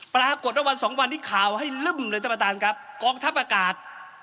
ปรากฏว่าวันสองวันนี้ข่าวให้ลึ่มเลยท่านประธานครับกองทัพอากาศ